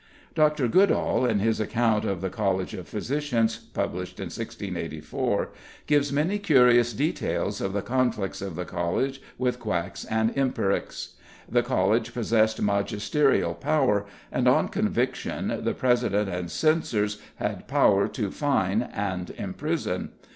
Dr. Goodall, in his account of the College of Physicians, published in 1684, gives many curious details of the conflicts of the College with quacks and empirics. The College possessed magisterial power, and, on conviction, the president and censors had power to fine and imprison.